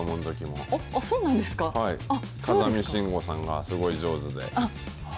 風見しんごさんがすごい上手で。